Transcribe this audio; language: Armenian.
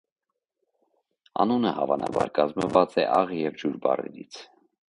Անունը հավանաբար կազմված է աղ և ջուր բառերից։